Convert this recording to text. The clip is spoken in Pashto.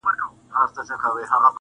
o ټولنه د درد ريښه جوړوي تل,